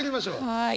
はい。